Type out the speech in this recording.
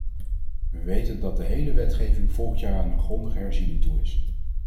We weten dat de hele wetgeving volgend jaar aan een grondige herziening toe is.